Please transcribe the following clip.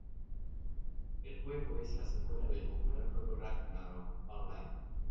El juego es la secuela del popular juego Ragnarok Online.